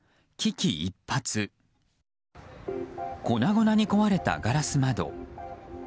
粉々に壊れたガラス窓。